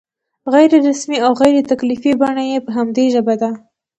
غیر رسمي او غیر تکلفي بڼه یې په همدې ژبه ده.